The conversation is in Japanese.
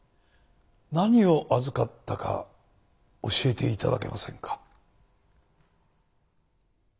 何を預かったか教えて頂けませんか？